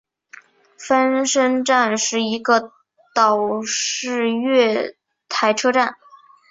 翻身站是一个岛式月台车站。